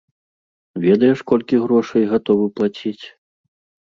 Ведаеш, колькі грошай гатовы плаціць?